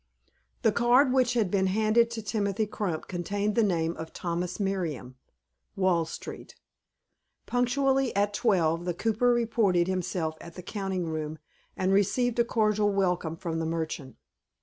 THE card which had been handed to Timothy Crump contained the name of Thomas Merriam, Wall Street. Punctually at twelve, the cooper reported himself at the counting room, and received a cordial welcome from the merchant.